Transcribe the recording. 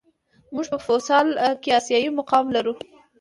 موږ په فوسال کې آسیايي مقام لرو.